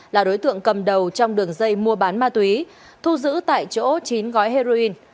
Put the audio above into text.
là đối tượng cầm đầu trong đường dây mua bán ma túy thu giữ tại chỗ chín gói heroin